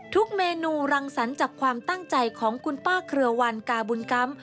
เมนูรังสรรค์จากความตั้งใจของคุณป้าเครือวันกาบุญกรรม